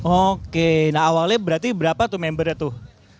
oke nah awalnya berarti berapa tuh membernya tuh